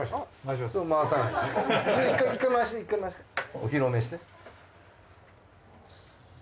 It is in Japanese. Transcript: お披露目して。